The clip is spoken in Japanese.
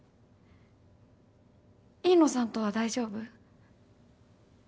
飯野さんとは大丈夫？